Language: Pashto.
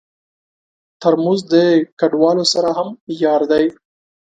ترموز د کډوالو سره هم یار دی.